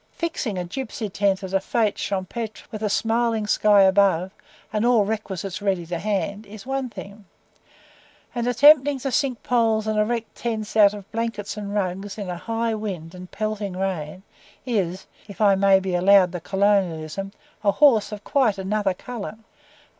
Fixing a gipsy tent at a FETE CHAMPETRE, with a smiling sky above, and all requisites ready to hand, is one thing, and attempting to sink poles and erect tents out of blankets and rugs in a high wind and pelting rain, is (if I may be allowed the colonialism) "a horse of quite another colour."